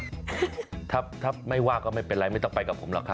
ถ้าไม่ว่าก็ไม่เป็นไรไม่ต้องไปกับผมหรอกครับ